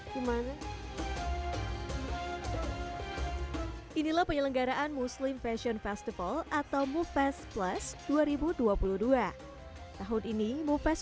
hai gimana inilah penyelenggaraan muslim fashion festival atau mufest plus dua ribu dua puluh dua tahun ini mufest